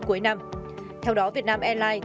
cuối năm theo đó việt nam airlines